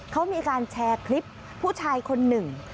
เขามีการแชร์คลิปผู้ชายคนหนึ่ง